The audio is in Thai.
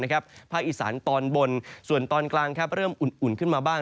ภาคอีสานตอนบนส่วนตอนกลางเริ่มอุ่นขึ้นมาบ้าง